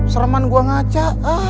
sereman gua ngaca